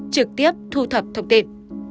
trực tiếp thu thập thông tin